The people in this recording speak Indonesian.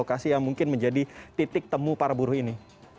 lokasi yang mungkin menjadi titik temu para buruh ini